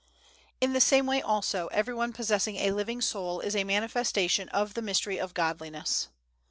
In the same way, also, every one possessing a living soul is a manifestation of the mystery of Godliness.